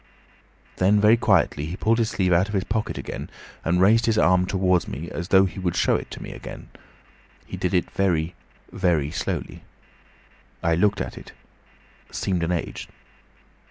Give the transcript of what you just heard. Then very quietly he pulled his sleeve out of his pocket again, and raised his arm towards me as though he would show it to me again. He did it very, very slowly. I looked at it. Seemed an age.